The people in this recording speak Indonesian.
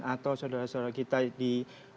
atau saudara saudara kita di